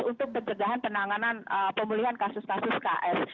untuk pencegahan penanganan pemulihan kasus kasus kl